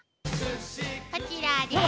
こちらです。